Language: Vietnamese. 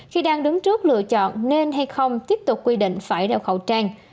khi đang đứng trước lựa chọn nên hay không tiếp tục quy định phải đeo khẩu trang